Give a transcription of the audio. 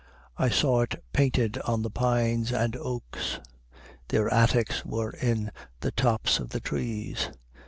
I saw it painted on the pines and oaks. Their attics were in the tops of the trees.